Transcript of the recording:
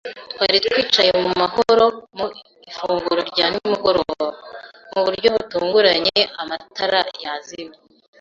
Twari twicaye mu mahoro mu ifunguro rya nimugoroba, mu buryo butunguranye amatara yazimye